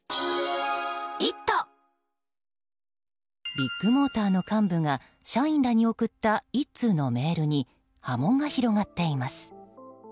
ビッグモーターの幹部が社員らに送った１通のメールに波紋が広がっています。